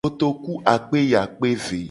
Kotoku akpe yi akpe ve.